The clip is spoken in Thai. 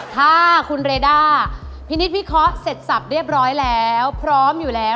ถ้าคุณเรด้าพินิษฐวิเคราะห์เสร็จสับเรียบร้อยแล้วพร้อมอยู่แล้ว